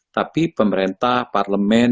tapi pemerintah parlemen